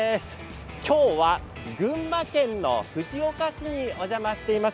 今日は群馬県の藤岡市にお邪魔しています。